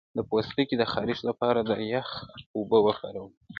د پوستکي د خارښ لپاره د یخ اوبه وکاروئ